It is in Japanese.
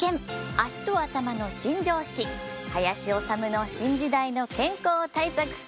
脚と頭の新常識林修の新時代の健康対策」。